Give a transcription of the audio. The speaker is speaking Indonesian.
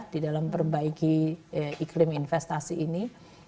di dalam perbaiki iklim investasi ini